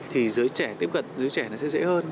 thì giới trẻ tiếp cận giới trẻ nó sẽ dễ hơn